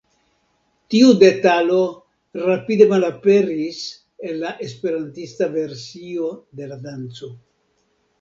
Tiu detalo rapide malaperis el la esperantista versio de la danco.